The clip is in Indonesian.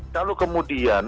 nah kalau kemudian